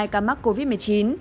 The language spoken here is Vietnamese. ca mắc covid một mươi chín